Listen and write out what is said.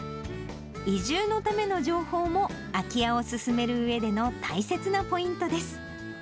移住のための情報も空き家を勧めるうえでの大切なポイントです。